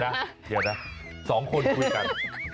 เดี๋ยวนะ๒คนคุยกัน